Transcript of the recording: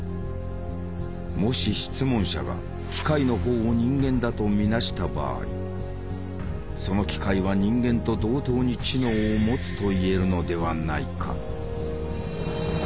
もし質問者が機械の方を人間だと見なした場合その機械は人間と同等に知能を持つと言えるのではないか。